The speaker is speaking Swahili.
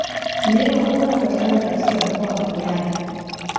Mlima huu unapatikana katika mkoa wa Manyara